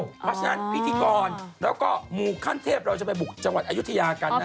เพราะฉะนั้นพิธีกรแล้วก็หมู่ขั้นเทพเราจะไปบุกจังหวัดอายุทยากัน